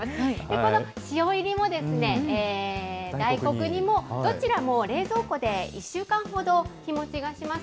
この塩いりも、大黒煮も、どちらも冷蔵庫で１週間ほど日持ちがします。